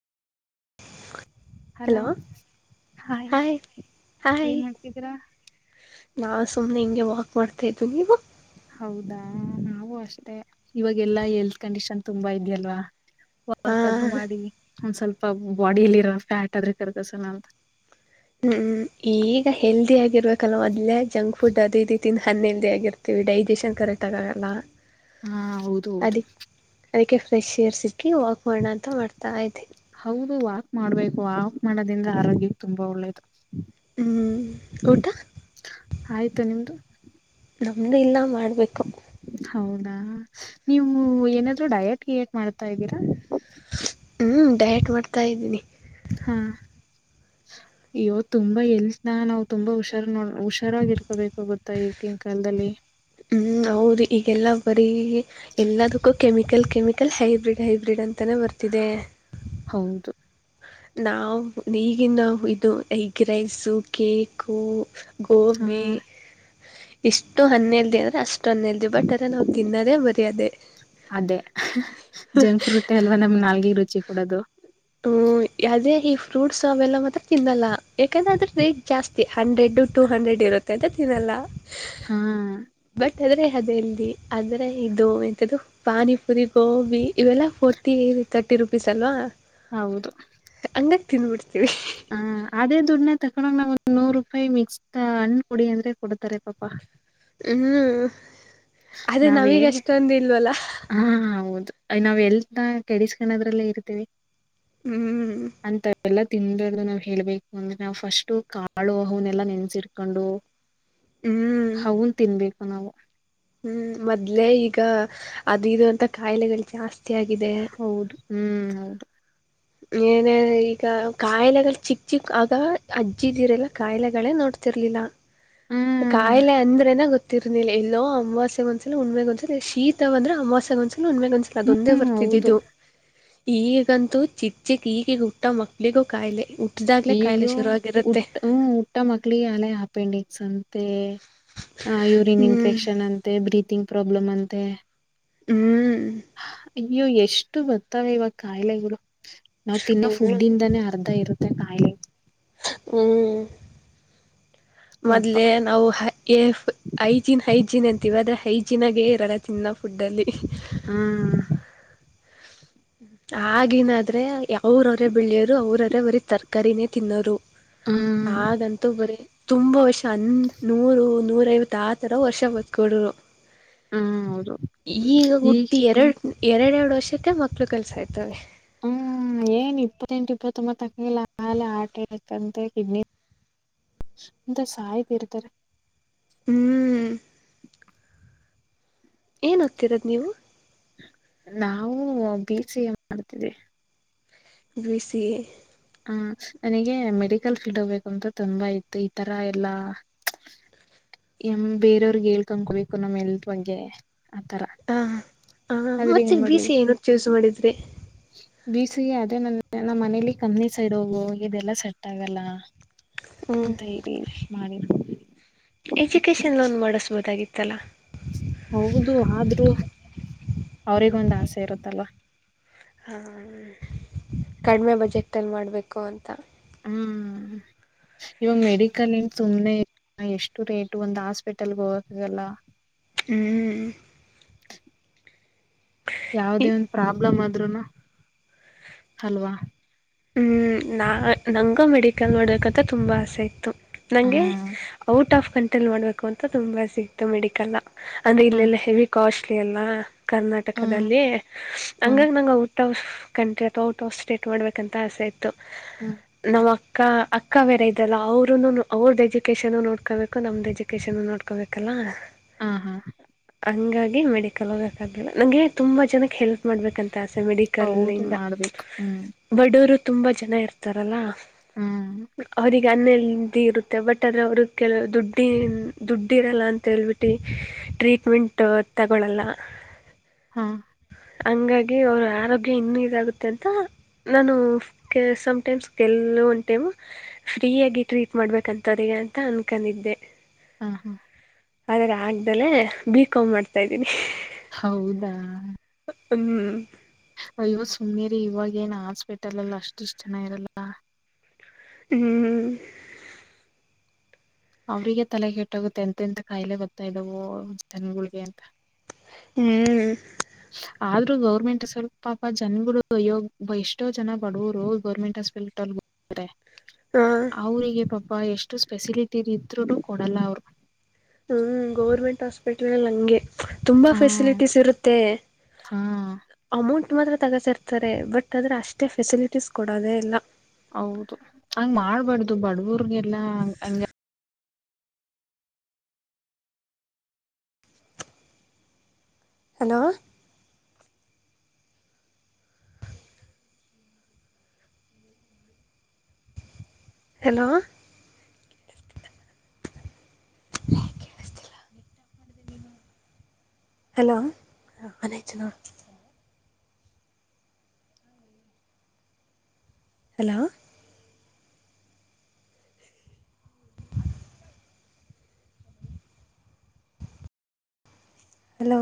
ಹ hello hi ಏನ್ ಮಾಡ್ತಿದೀರಾ ನಾ ಸುಮ್ನೆ ಹಿಂಗೆ ವಾಕ್ ಮಾಡ್ತಾ ಇದ್ ನೀವು ಹೌದಾ ನಾವವು ಅಷ್ಟೇ ಇವಾಗೆಲ್ಲಾ ಎಲ್ತ್ ಕಂಡೀಷನ್ ತುಂಬಾ ಇದೆಯಲ್ವಾ ಆ ವಾಕ್ ಆದ್ರು ಮಾಡಿ ಒಂದ್ ಸ್ವಲ್ಪ ಬಾಡಿಯಲ್ಲಿ ಇರ ಫ್ಯಾಟ್ ಆದ್ರೆ ಕರ್ಕಸಣ ಅಂತ ಹ್ಮ್ ಈಗ ಹೆಲ್ದಿ ಆಗಿರ್ಬೇಕಲ್ ಮೊದ್ ಜಂಕ್ ಫುಡ್ ಅದೀತಿನ ಹನ್ನೆಲ್ದೇ ಆಗಿರ್ತೀವಿ ಡೈಜೆಷನ್ ಕರೆಕ್ಟಗ ಆಗಲ್ಲ ಹಾ ಹೌದ ಹೌದು ಅದಿಕ್ ಅದಕ್ಕೆ ಫ್ರೆಶ್ ಏರ್ ಸಿಕ್ಕಿ ವಾಕ್ ಮಾಡೋ ಅಂತ ಮಾಡ್ತಾ ಇದೀನಿ ಹೌದು ವಾಕ್ ಮಾಡ್ಬೇಕು ಆ ಮಾಡೋದ್ರಿಂದ ಆರೋಗ್ಯ ತುಂಬಾ ಒಳ್ಳೇದು ಹ್ಮ ಟಾ ಆಯ್ತು ನಿಮ್ದು ನಮ್ಮದು ಇಲ್ಲ ಮಾಡಬೇಕು ಹೌದಾ ನೀವು ಏನಾದ್ರು ಡಯೆಟ್ ಕಿಯೇಟ್ ಮಾಡ್ತಾ ಇದ್ದೀರಾ ಹ್ಮ್ ಡಯಟ್ ಮಾಡ್ತಾ ಇದ್ದೀನಿ ಹಾ ಅಯ್ಯೋ ತುಂಬಾ ಎಲ್ತ್ನಾ ನಾವ್ ತುಂಬಾ ಹುಷಾರ್ ನೋಡ ಹುಷಾರರ್ತವಿ ಬೇಕು ಗೊತ್ತಾ ಈಗಿನ ಕಾಲದಲ್ಲಿ ಹ್ಮ್ ಹೌದು ಈಗೆಲ್ಲ ಬರೀ ಎಲ್ಲದಕ್ಕೂ ಕೆಮಿಕಲ್ ಕೆಮಿಕಲ್ ಹೈಬ್ರಿಡ್ ಹೈಬ್ರಿಡ್ ಅಂತ ತಾನೇ ಬರ್ತಿದೆ ಹೌದು ನಾವ್ ಈಗಿನಾ ಇದು ಎಗ್ ರೈಸ ಕೇೇಕು ಹಾ ಗೋಬಿ ಇಷ್ಟು ಹನ್ನಿಲ್ದ ಅಂದರೆ ಅಷ್ಟು ನ್ನ ಎಲ್ಲಿ ಬಟ್ಟಾರೆ ನಾವು ತಿನ್ನದೇ ಬರೆಯೋದೇ ಅದೇ ಜಂಕ್ ಫ್ರೂಟ್ ಎಲ್ವಾ ನಮ್ಗೆ ನಾಲ್ಗ ರುಚಿ ಕೊಡೋದು ಹ್ಮ ಅದೇ ಈ ಫ್ರೂಟ್ಸ್ ಅವೆಲ್ಲ ಮತ್ತ ತಿನ್ನಲ್ಲ ಯಾಕಂದ್ರೆ ಅದ್ರ ರೇಟ್ ಜಾಸ್ತಿ ಹಂಡ್ರೆಡ್ ಟೂ ಹಂಡ್ರೆಡ್ ಇರುತ್ತೆ ಅಂತ ತಿನ್ನಲ್ಲ ಹಾ ಅದೆಲ್ಲಿ ಆದ್ರೆ ಇದು ಎಂತ ಪಾನಿಪುರಿ ಗೋಬಿ ಇವೆಲ್ಲ ಫೋಟಿ ತರ್ಟಿ ರುಪೀಸ್ ಅಲ್ವಾ ಹೌದು ಇ ತಿದನ್ಬಿಡ್ತೀವಿ ಹಾ ಅದೇ ದುಡ್ನ್ನ ತಕೊಂಗ ನಾವ್ ಒಂದ ನೂರು ರೂಪಾಯಿ ಮಿಕ್ತ ಹಣ್ಣ್ ಕುಡಿ ಅಂದ್ರೆ ಕೊಡ್ತಾರೆ ಪಾಪಾ ಹ್ಮ್ ಅದೇ ನಾವ್ ನಾವೀಗ ಹೇಳ್ಬೇ ಅಷ್ಟೊಂದ ಇಲ್ವಲ್ಲ ಹಾ ಹೌದು ನಾವ್ ಎಲ್ ಕೆಡಿಸಕಣೋದ್ರಲ್ಲೇ ಇರ್ತೀವಿ ಹ್ಮ್ ಎಲ್ಲ ತಿದದು ನಾವ್ ಹೇಳ್ಬೇಕು ಅಂದ್ರೆ ನಾವು ಫಸ್ಟ್ ಕಾಳು ಅನ್ನಲ್ಲಾ ನೆನ್ಸಿಟ್ಕೊಂಡು ಹ್ಞೂ ಹನ್ ತಿನ್ಬೇಕು ನಾವು ಹ್ಮ್ ಮೊದ್ಲೆೇ ಈಗ ಅದ ಇರುವಂತ ಕಾಯಿಲೆಗಳು ಜಾಸ್ತಿ ಆಗಿದೆ ಹೌದು ಹ್ಮ್ ಹೌದು ಏನ ಈಗ ಕಾಯಿಲೆಗಳು ಚಿಕ್ಕ ಚಿಕ್ ಆಗ ಅಜ್ಜ ಇದಿರೆಲ್ಲ ಕಾಯಿಲೆಗಳೇ ನೋಡ್ ಬತಿರ್ಲಿಲ್ಲ ಹ್ಮ್ ಕಾಯಿಲೆ ಅಂದ್ರೆನ ಗೊತ್ತಿರ್ನಿಲ್ಲ ಎಲ್ಲೋ ಅಮವಾಸ್ಯಗ ಒಂದ್ಸಲ ಉಣ್ ಒಂದ್ಸಲಿ ಶೀತವ ಅಂದ್ರೆ ಅಮವಾಸ್ಯೆಗ ಒಂದ್ಸಲ ಒಂದ ಮೇಾಗ ಒಂದ್ಸಲ ಅದೊಂದೇ ಹ್ಮ್ ಹೌದು ಬರ್ತಿದ್ದಿದ್ದು ಈಗಂತೂ ಚಿಚೆ ಕೀ ಗುಟ್ಟಾ ಮಕ್ಲಿ ಕಾಯಲೆ ನೀವ್ಯೋ ಉಟ್ಟ ಹ್ಮ್ ಊಟ್ಟ ಮಕ್ಳಿಗೆ ಅಲ್ಲ ಅಪೆಂಡಿಕ್ಸ್ ಅಂತೆ ಹ ಯೂರಿನ್ ಹ್ಮ್ ಇನ್ಫೆಕ್ಷನ್ ಅಂತೆ ಬ್ರೀತಿಂಗ್ ಪ್ರಾಬ್ಲಮ್ ಅಂತೆ ಹ್ಮ್ ಅಯ್ಯೋ ಎಷ್ಟು ಬರ್ತ್ತವೆ ಇವ ಕಾಯಿಲೆಗಳು ನಾವ್ ತಿನ್ನೋ ಫುಡ್ ಇಿಂದಾನೇ ಅರ್ಧ ಇರುತ್ತೆ ಕಾಯಿಲೆ ಹ್ಮ್ [inaudible] ಮೊದ್ಲೆ ನಾವು ಹೈಜಿನ್ ಹೈಜಿನ್ ಅಂತೀವಿ ಆದದ್ರೆ ಹೈಜೀನ್ಾಗೇ ಇರಲ್ಲ ತಿನ್ನ ಫುಡ್ ಚಲ್ಲಿ ಹ್ಮ ಆಗನಾದ್ರೆ ಅವ್ರವ್ರೆ ಬೆಳಿಯೋರು ಅವ್ರವ್ರೆ ಬರೀ ತರಕಾರಿನೇ ತಿನ್ನೋರು ಹ್ಮ್ ಆದಂತೂ ಬರೀ ತುಂಬಾ ವರ್ಷ ಅಂದ ನೂರು ನೂರ ಇವತ್ತು ಆತರ ವರ್ಷ ಬತ್ಕೊಂಡರು ಹ್ಮ್ ಹೌದು ಈಗ ಈ ಹುಟ್ಟಿ ಎರಡು ಎರಡೆ ಎರಡು ವರ್ಷಕ್ಕೆ ಮಕ್ಕಳು ಕೆಲಸಾಯಯ್ತೆ ಹ್ಮ್ ಏನ್ ಇಪ್ಪತ್ತೆಂಟು ಇಪ್ಪತ್ತೊಂಬತ್ತು ತಕಿಲ್ಲ ಆಾಲ ಆಟ ಇಕಂತೆ ಕಿಡ್ನಿ ಅ ಸಾಯಿ್ ದೀರದರ್ ಹ್ಮ್ ಏನ್ ಆಗ್ತಿರೋದ ನೀವು ನಾವು ಬಿ ಸಿ ಎ ಮಾಡ್ತಿದ್ದವಿ ಬಿಸಿಿ ಹ್ಮ ನನಗೆ ಮೆಡಿಕಲ್ ಫೀಲ್ಡ್ ಹೋಗಬೇಕುಂತ ತುಂಬಾ ಇತ್ತು ಈತರ ಎಲ್ಲಾ ಎ ಬೇರೆಯವ್ರಗ್ ಹೇಳ್ಕನ್ಕೋಬೇಕು ನಮ್ ಎಲ್ತ್ ಬಗ್ಗೆ ಆತರ ಹ ಹ ಆದ್ರೆ ಮತ್ತೆ ಏನ್ ಬಿ ಮಾಡ್ಲಿ ಸಿ ಏನ ಚ್ಯೂಸ್ ಮಾಡಿದ್ರಿ ಬೀಸಿಗೆ ಅದೇ ನ ನಮ್ಮ ಮನೇಲಿ ಕಮ್ಮಿಸ ಇೋಗು ಇದೆಲ್ಲಾ ಸೆಟ್ ಆಗಲ್ಲ ಹ್ಮ್ ಂತ ಇರಿ ಮಾಡಿರು ಎಜುಕೇಶನ್ ಲೋನ್ ಮಾಡಿಸಬೋದಾಗಿತ್ತಲ್ಲ ಹೌದು ಆದ್ರೂ ಅವ್ರಗೊಂದ ಆಸೆ ಇರುತ್ತಲ್ ಹಾ ಕಡಿಮೆ ಬಜೆಟಲ್ಲಿ ಮಾಡಬೇಕು ಅಂತ ಹ್ಮ್ ಇವಾಗ ಮೆಡಿಕಲ್ನ್ ಸುಮ್ನೆ ಎಷ್ಟು ರೇಟ್ ಒಂದ್ ಹಾಸ್ಪಿಟಲ್ಗೆ ಹೋಗಕ್ಾಗಲ್ಲ ಹ್ಮ್್ಮ ಯಾವ್ದೇ ಒಂದ ಪ್ರಾಬ್ಲಮ್ ಆದ್ೂನು ಅಲ್ವಾ ಹ್ಮ್ ನಾ ನಂಗೂ ಮೆಡಿಕಲ್ ನೋಡಕಂತ ತುಂಬಾ ಆಸೆ ಇತ್ತು ಹ ನಂಗೆ ಔಟ್ ಆಫ್ ಕಂಟ್ರೋಲ್ ಮಾಡ್ಬೇಕು ಅಂತ ತುಂಬಾ ಸಿಕ್ತು ಮೆಡಿಕಲ್ ಅಂದ್ರೆ ಹ ಇಲ್ಲೆಲ್ಲ ಹೆವಿ ಕಾಸ್ಟ್ಲಿ ಅಲ್ಲ ಹ ಕರ್ನಾಟಕದಲ್ಲಿ ಹ ಹಂಗಂಗ ನಂಗ ಔಟ್ ಆಫ್ ಕಂಟ್ರಿ ಅಥವಾ ಔಟ್ ಆಫ್ ಸ್ಟೇಟ್ ಮಾಡ್ಬೇಕಂತ ಆಸೆ ಇತ್ತು ಹ ನಮ್ಮ ಅಕ್ಕ ಅಕ್ಕ ಬೇರೆ ಇದಲ್ಲ ಅವರುೂ ಅವ್ರ್ದು ಎಜುಕೇಷನ್ನು ನೋಡ್ಕೋಬೇಕು ನಮ್ಮ್ದು ಎಜುಕೇಷನ್ನು ನೋಡ್ಕೋಬೇಕಲ್ಲ ಹ ಹಾ ಹಂಗಾಗಿ ಮೆಡಿಕಲ್ ಹೋಗಕ್ಕಾಗಲಿಲ್ಲ ನಂಗೆ ತುಂಬ ಜನಕ್ಕೆ ಹೆಲ್ಪ್ ಮಾಡಬೇಕಂತ ಆಸೆ ಹೌದು ಮೆಡಿಕಲ್ಲಿಂದ ಮಾಡ್ಬೇಕು ಹ್ಮ್ ಬಡೂರು ತುಂಬಾ ಜನ ಇರ್ತಾರಲ್ಲ ಹ್ಮ್ ಅವಿಗೆ ಅನ್ನೆದ ಇರುತ್ತೆ ಬಟ್ ಆದರೆ ಅವ್ರ ಕೆಲವು ದುಡ್ಡಿ ದುಡ್ಡಿ ಇರಲ್ಲ ಅಂತೇಳ್ಬಿಟ್ಟು ಟ್ರೀಟ್ಮೆಂಟ್ ತಗಳಲ್ಲ ಹಾ ಹಂಗಾಗಿ ಅವ್ರ ಆರೋಗ್ಯ ಇನ್ನುೂ ಇದಾಗುತ್ತೆ ಅಂತ ನಾನು ಸಮಟೈಮ್ಸ್ ಗೆಲ್ಲುವ ಒಂದು ಟೈಮ್ ಫ್ರೀ ಆಗಿ ಟ್ರೀಟ್ ಮಾಡ್ಬೇಕಂತ ಅಂತ ಅನ್ಕೊಂಡಿದ್ದೆ ಹಾ ಹಾ ಆದ್ರೆ ಆಗ್ದಲೆೇ ಬೀ ಮಾಡ್ತಾ ಇದ್ದೀನಿ. ಹೌದಾ. [unintelligible] ಅಯ್ಯೋ ಸುಮ್ಮೀರಿ ಇವಾಗೇಏನ್ ಹಾಸ್ಪೆಟಲ್ ಎಲ್ಲ ಅಷ್ಟ ಇಷ್ಟ ಜನ ಇರಲ್ಲ. ಹ್ಮ್. ಅವ್ರಿಗೆ ತಲೆ ಕೆಟ್ಟೋಗುತ್ತೆ ಎಂತೆ ಎಂತ ಕಾಯಿಲೆ ಗೊತ್ತಾ ಇದ್ದವು ಜನಗಳಿಗೆ ಹ್ಮ್. ಆದ್ರ ಗೌರ್ಮೆಂಟ್ ಸ್ವಲ್ ಪಾಪ ಜನ್ಗಳು ಎಷ್ಟೋ ಜನ ಬಡವರು ಗೌರ್ಮೆಂಟ್ ಹಾಸ್ಪೆಲ್ ತೊ [unintelligible] ಹಾಂ ಅವರಿಗೆ ಪಾಪ ಎಷ್ಟು ಸ್ಪೆಸಿಲಿಟಿ ಇದ್ರೂ ಕೊಡಲ್ಲ ಅವರು. ಹ್ಮ್ ಗೌರ್ಮೆಂಟ್ ಹಾಸ್ಪಿಟ್ಲ್ ಎ ಹಂಗೆ ತುಂಬಾ ಹ ಫೆಸಿಲಿಟೀಸ್ ಇರುತ್ತೆ ಹಾ ಅಮೌಂಟ್. ಮಾತ್ರ ತಗಸಿ ಇರ್ತಾರೆ ಬ--ಆದ್ರೆ ಅಷ್ಟೇ ಫೆಸಿಲಿಟೀಸ್ ಕೊಡೋದೆೇ ಇಲ್ಲ. ಹೌದು ಹಂಗ್ ಮಾಡಬಾರದು ಬಡವರ್ಗೆಲ್ಲಾ ಹ ಹಂಗ hello. Hello [unintelligible] hello hello. Hello